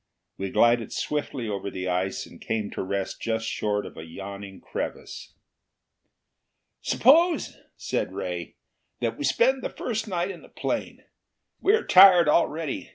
We glided swiftly over the ice and came to rest just short of a yawning crevasse. "Suppose," said Ray, "that we spend the first night in the plane. We are tired already.